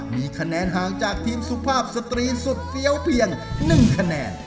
มีคะแนนห่างจากทีมสุภาพสตรีสุดเฟี้ยวเพียง๑คะแนน